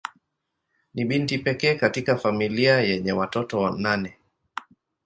Ni binti pekee katika familia yenye watoto nane.